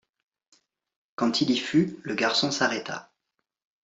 Quand il y fut, le garçon s’arrêta.